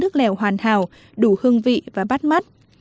nước lèo hoàn hảo đủ hương vị và bắt mắt